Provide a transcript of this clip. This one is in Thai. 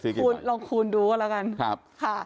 ๑๘ใบนิดหน่อยเพราะว่าได้อ้อมแน่ม